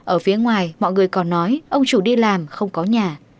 ở phía ngoài mọi người còn nói ông chủ đi làm không có nhà